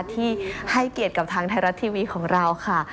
ที่ให้เกียรติกับทางไทยรัฐทีวีของเราค่ะ